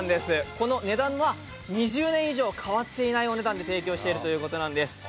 この値段は２０年以上、変わっていないお値段で提供しているということなんです。